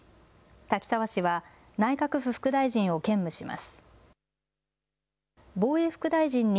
滝沢氏は内閣府副大臣を兼務します。